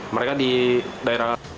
mereka di daerah